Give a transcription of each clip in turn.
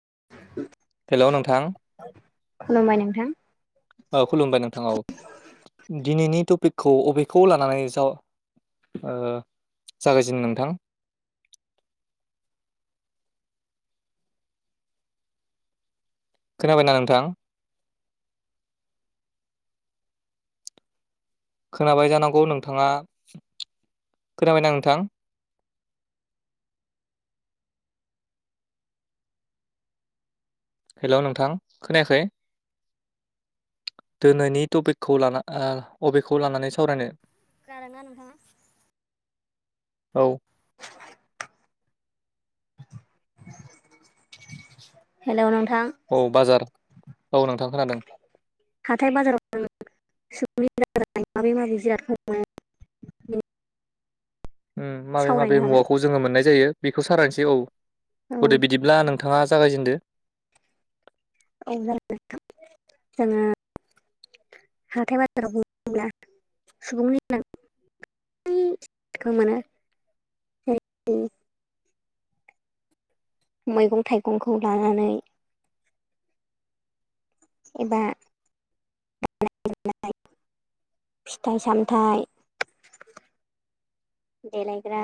[inaudible] Hello नोंथां खुलुमबाय नोंथां औ खुलुमबाय नोंथां औ। दिनैनि टपिकखौ अबेखौ लानानै जा ओ जागायजेन नोंथां? खोनाबायना नोंथां? खोनाबाय जानांगौ नोंथाङा खोनाबायना नोंथां? हेलौ नोंथां खोनायाखै? दोनैनि टपिकखौ लाना ओ अबेखौ लानानै सावरायनो? खोनादों ना नोंथाङा? औ। हेलौ नोंथां। औ बाजार औ नोंथां खोनादों। हाथाय बाजाराव [unintelligible] माबे माबि जिरादखौ [unintelligible] [inaudible] ओम माबे माबे सावरायनो हागोन मुवाखौ जोङो मोननाय जायो बेखौ सावरायसै औ औ थ'दो बिदिब्ला नों नोंथाङा जागायजेनदो। औ [unintelligible] जोङो हाथाय बाजाराव बुङोब्ला सुबुंनि गोनां [unintelligible] खो मोनो [unintelligible] मैगं'थाइगं'खौ लानानै एबा [unintelligible] [unintelligible] फिथाइ सामथायाइ देलायग्रा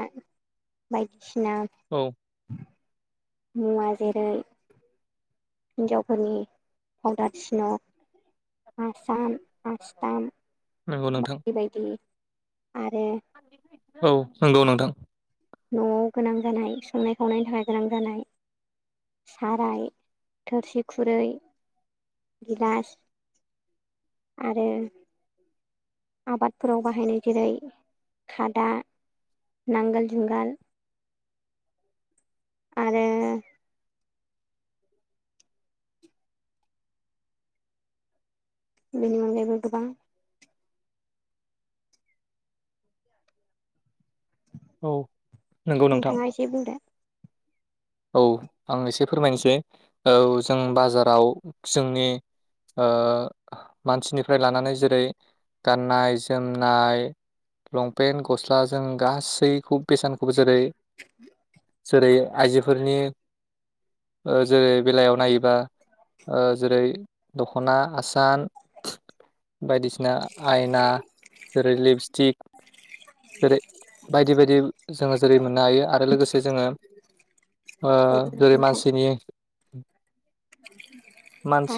बायदिसिना औ मुवा जेरै हिन्जावफोरनि फावदार सिन', आसान आस्थाम नंगौ नोंथां बायदि बायदि आरो औ नंगौ नोंथां। न'आव गोनां जानाय संनाय खावनायनि थाखाय गोनां जानाय साराय थोरसि खुरै गिलास आरो आबादफोराव बाहायनाय जेरै खादा नांगोल जुंगाल आरो बिनि अनगायैबो गोबां औ नंगौ नोंथां नोंथाङा एसे बुंदो। औ आं एसे फोरमायनोसै औ जों बाजाराव जोंनि ओ मानसिनिफ्राय लानानै जेरै गाननाय जोमनाय लंपेन्ट गस्लाजों गासै दै बेसेनखौबो जेरै जेरै आइजोफोरनि ओ जेरै बेलायाव नायोबा ओ जेरै दख'ना आसान बायदिसिना ना आयना जेरै लिपस्टिक जेरै बायदि बायदि जोङो जेरै मोननो हायो आरो लोगोसे जोङो ओ औ जेरै नोंथां मानसिनि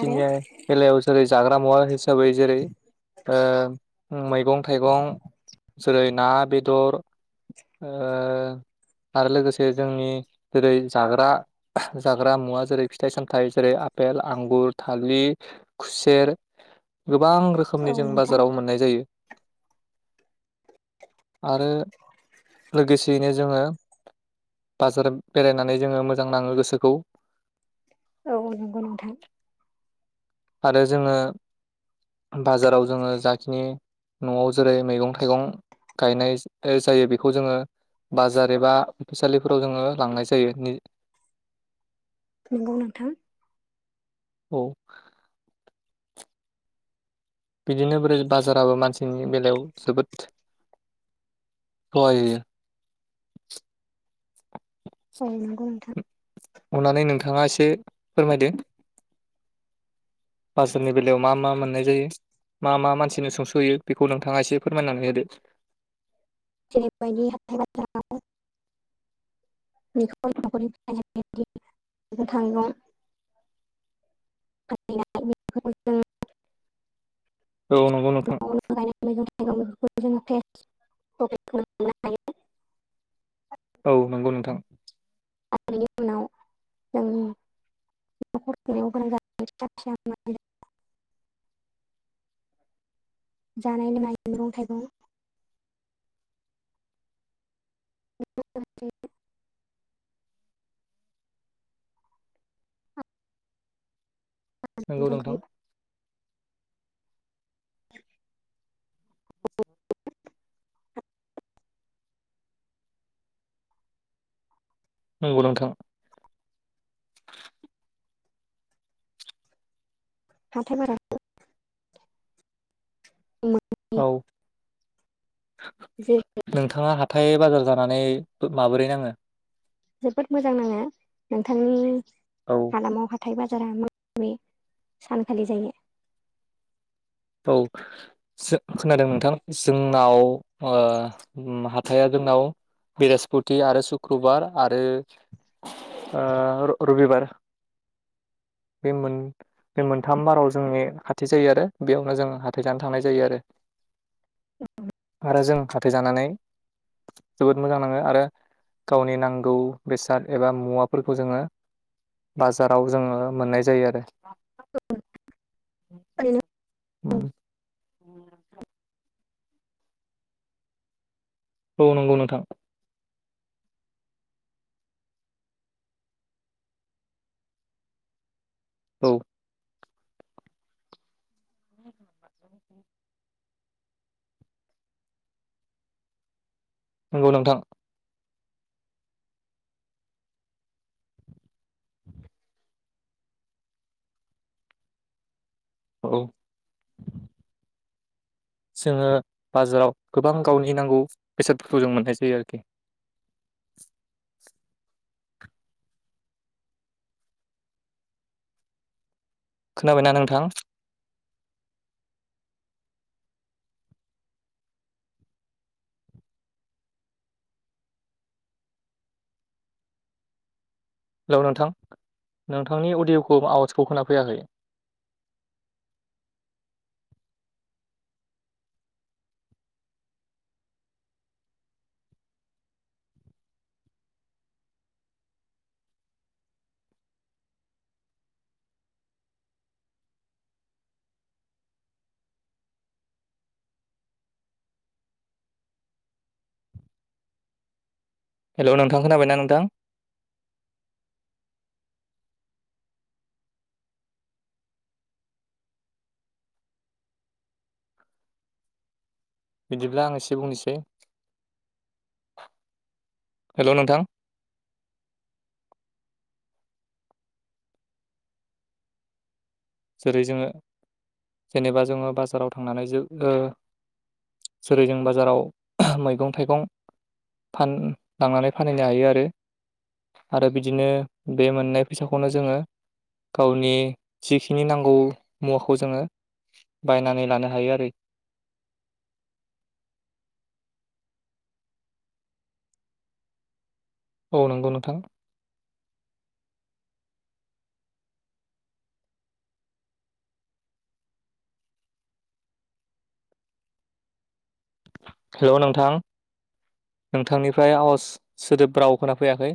आरो बेलायाव जेरै जाग्रा मुवा हिसाब हिसाबै जेरै ओ मैगं थाइगं जेरै ना बेदर ओ आरो लोगोसे जोंनि जेरै जाग्रा जाग्रा मुवा जेरै फिथाइ सामथाइ जेरै आपेल आंगुर थालिर खुसेर गोबां रोखोमनि औ जों नोंथां बाजाराव मोननाय जायो आरो लोगोसेयैनो जोङो बाजार बेरायनानै जोङो मोजां नाङो गोसोखौ औ नंगौ नोंथां। आरो जोङो बाजाराव जोङो जाखिनि न'आव जेरै मैगं थाइगं गायनाय जायो बेखौ जोङो बाजार एबा फिसालिफोराव जोङो लांनाय जायो। [inaudible] नंगौ नोंथां। औ बिदिनो बोरै बाजाराबो मानसिनि बेलायाव जोबोद सहाय होयो। औ नंगौ नोंथां अननानै नोंथाङा एसे फोरमायदो। बाजारनि बेलायाव मा मा मोननाय जायो? मा मा मानसिनो सुंस'होयो बेखौ नोंथाङा एसे फोरमायनानै होदो। जेरबायदि हाथाइ बाजाराव [inaudible] मैगं थाइगं फानहैनाय [unintelligible] औ नंगौ नोंथां न'आवनो गायनाय [unintelligible] मैगं थाइगं [unintelligible] जोङो केस्ट प्रफिट खौनो मोननो हायो थां आरो बिनि उनाव जों [unintelligible] [inaudible] जानाय लोंनाय मैगं थाइगं [unintelligible] नंगौ [unintelligible] नोंथां दंखायो। [unintelligible] नंगौ नोंथां। हाथाय [unintelligible] औ। नोंथाङा हाथाय बाजार जानानै माबोरै नाङो? जोबोद मोजां नाङो नोंथांनि औ हालामाव हा थाय बाजारा माबे सानखालि जायो? औ खोनादों नोंथां। जों नाव ओ हाथाया जोंनाव बृहसपति आरो सुक्रुबार आरो ओ रबिबार। बे मोन बे मोनथाम बाराव जोंनि हाथाइ जायो आरो। बेयावनो जों हाथाय जानो थांनाय जायो आरो। आरो जों हाथाइ जानानै जोबोद मोजां नाङो आरो गावनि नांगौ बेसाद एबा मुवाफोरखौ जोङो बाजाराव जोङो मोननाय जायो आरो। उम। औ नंगौ नोंथां। औ। नंगौ नोंथां। औ। जोङो बाजाराव गोबां गावनि नांगौ बेसादफोरखौ जों मोननाय जायो आरोखि। खोनाबायना नोंथां? हेलौ नोंथां? नोंथांनि अडिय'खौ आवाजखौ खोना फैयाखै। हेलौ नोंथां खोनाबायना नोंथां? बिदिब्ला आं एसे बुंनोसै। हेलौ नोंथां? जेरै जोङो जेनेबा जोङो बाजाराव थांनानै जो ओ जेरै जों बाजाराव मैगं थाइगं फान लांनानै फानहैनो हायो आरो आरो बिदिनो बे मोननाय फैसाखौनो जोङो गावनि जिखि नि नांगौ मुवाखौ जोङो बायनानै लानो हायो आरो। औ नंगौ नोंथां। हेलौ नोंथां? नोंथांनिफ्राय आवाज सोदोब राव खोनाफैयाखै।